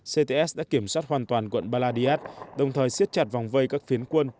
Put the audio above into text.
cts đã kiểm soát hoàn toàn quận baladiad đồng thời xiết chặt vòng vây các phiến quân